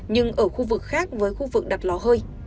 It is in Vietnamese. nhưng ở khu vực khác với khu vực đặt lò hơi